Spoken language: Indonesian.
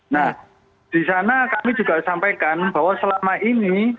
nah di sana kami juga sampaikan bahwa selama ini